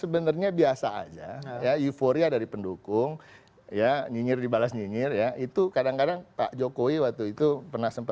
berbagi kenyinyiran itu gak apa apa